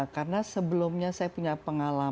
karena sebelumnya saya punya pengalaman